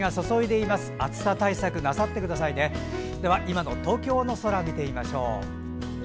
では今の東京の空を見てみましょう。